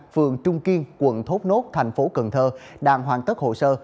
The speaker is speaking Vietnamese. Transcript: phường trung kiên quận thốt nốt thành phố cần thơ đang hoàn tất hồ sơ